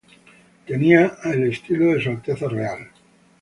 Tenía el estilo de Su Alteza Real.